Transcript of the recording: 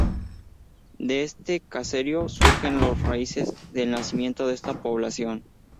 De este caserío surgen las raíces del nacimiento de esta población.